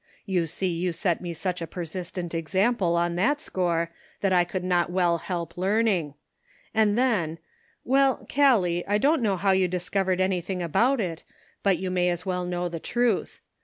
You see you set me such a persistent example on that score that I could not well help learning — and then — well, Callie, I don't know how you discovered anything about it, but you may as well know the truth.